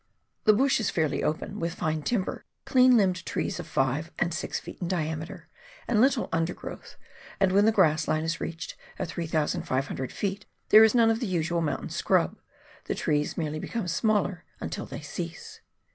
The bush is fairly open, with fine timber — clean limbed trees of five and six feet in diameter — and little undergrowth, and when the grass line is reached at 3,500 ft., there is none of the usual mountain scrub ; the trees merely become smaller until they cease.